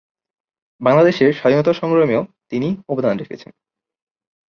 বাংলাদেশের স্বাধীনতা সংগ্রামে ও তিনি অবদান রেখেছেন।